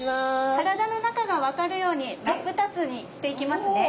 体の中が分かるように真っ二つにしていきますね。